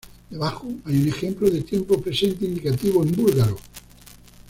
Debajo hay un ejemplo de tiempo presente indicativo en búlgaro.